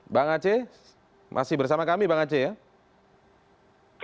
bang aceh masih bersama kami bang aceh ya